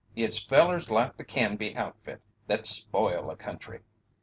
It's fellers like the Canby outfit that spoil a country."